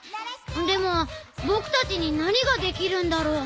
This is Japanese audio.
でもぼくたちに何ができるんだろう。